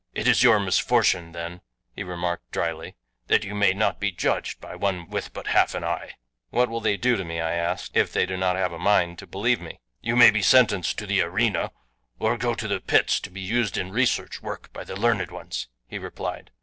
"It is your misfortune then," he remarked dryly, "that you may not be judged by one with but half an eye." "What will they do with me," I asked, "if they do not have a mind to believe me?" "You may be sentenced to the arena, or go to the pits to be used in research work by the learned ones," he replied.